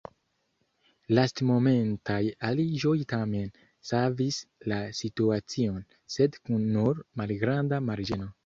Lastmomentaj aliĝoj tamen savis la situacion, sed kun nur malgranda marĝeno.